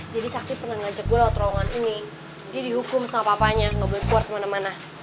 jadi sakti pernah ngajak gue lewat terowongan ini dia dihukum sama papanya gak boleh keluar kemana mana